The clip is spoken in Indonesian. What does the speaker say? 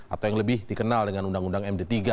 atau yang lebih dikenal dengan undang undang md tiga